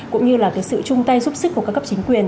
cũng như là cái sự chung tay giúp sức của các cấp chính quyền